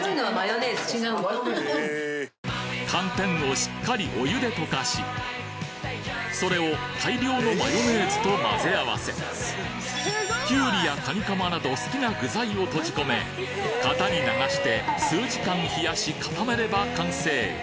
寒天をしっかりお湯で溶かしそれを大量のマヨネーズと混ぜ合わせきゅうりやカニカマなど好きな具材を閉じ込め型に流して数時間冷やし固めれば完成